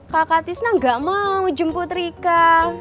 kakak tisna gak mau jemput rika